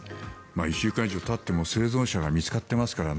１週間以上たっても生存者が見つかっていますからね。